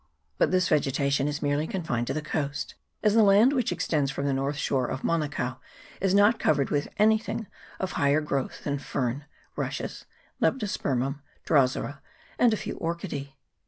But this vegetation is merely confined to the coast, as the land which extends from the north shore of Manukao is not covered with any thing of higher growth than fern, rushes, Lepto spermum, Drosera, and a few Orchidese.